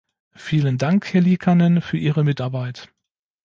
Vielen Dank, Herr Liikanen, für Ihre Mitarbeit.